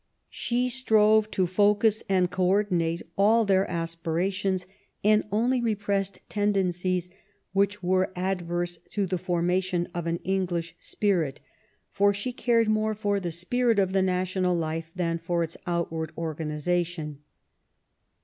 She strove to focus and co ordinate all their aspirations, and only repressed tendencies which were adverse to the formation of an English spirit ; for she cared more for the spirit of the national life than for its outward organisation.